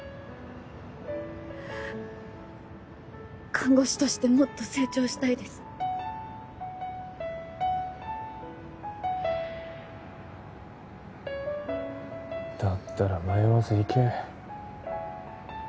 看護師としてもっと成長したいですだったら迷わず行け